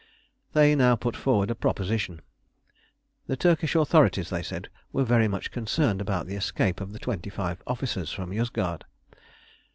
They now put forward a proposition: the Turkish authorities, they said, were very much concerned about the escape of the twenty five officers from Yozgad.